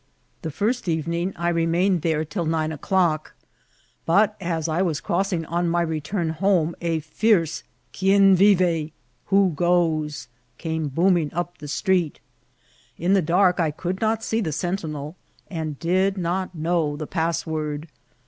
The first evening I remained there till nine o'clock; but as I was crossing on my return home a fierce ^^ Quien vive ?"^' who goes ?'' came bocHning vp the street In the dark I could not see the sentinel, and did not know the password.